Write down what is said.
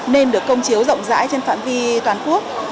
nên được công chiếu rộng rãi trên phạm vi toàn quốc